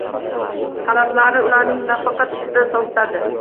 Talablari ularning nafaqat ishidan sovitadi.